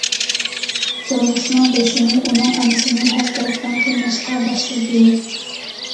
تۇرمۇشنىڭ بېسىمى ئۇنىڭ ئانىسىنى ھەر تەرەپتىن قىيناشقا باشلىدى.